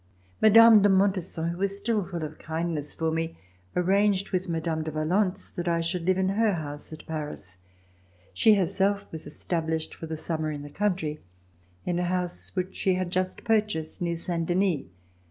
Mme. de Montesson, who was still full of kindness for me, arranged w ith Mme. de Valence that I should live in her house at Paris. She herself was established for the summer in the country in a house which she had just purchased near Saint Denis.